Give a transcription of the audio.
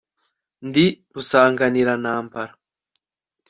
ndi rusanganirantambara